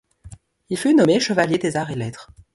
Il fut nommé Chevalier des Arts et Lettres.